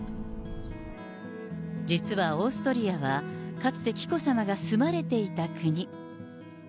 実は、オーストリアはかつて紀子さまが住まれていた国。